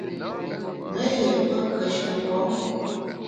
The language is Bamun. Me ghét pe kùeshe mgbom.